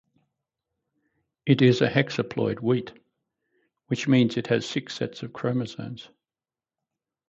It is a hexaploid wheat, which means it has six sets of chromosomes.